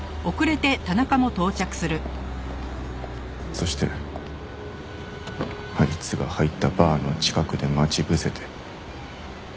そしてあいつが入ったバーの近くで待ち伏せて。